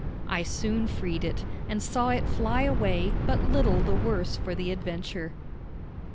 I soon freed it and saw it fly away but little the worse for the adventure.